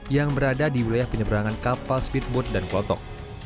yang berada di wilayah penyeberangan kapal speedboat dan klotok